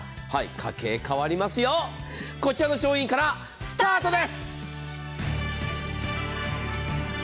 家計、変わりますよ、こちらの商品からスタートです！